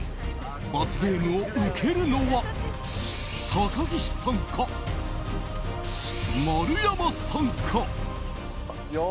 罰ゲームを受けるのは高岸さんか丸山さんか？